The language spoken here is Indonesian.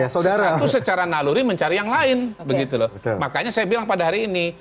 satu secara naluri mencari yang lain begitu loh makanya saya bilang pada hari ini